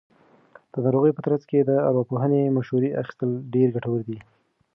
د ناروغۍ په ترڅ کې د ارواپوهنې مشورې اخیستل ډېر ګټور دي.